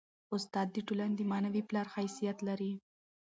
استاد د ټولني د معنوي پلار حیثیت لري.